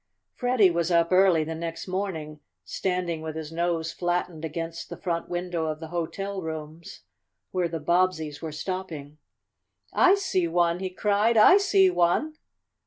Freddie was up early the next morning, standing with his nose flattened against the front window of the hotel rooms where the Bobbseys were stopping. "I see one!" he cried. "I see one!"